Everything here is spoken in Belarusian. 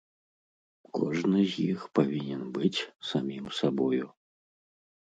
Кожны з іх павінен быць самім сабою.